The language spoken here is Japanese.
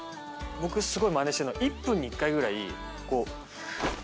僕すごいまねしてんのは１分に１回ぐらいこうやって。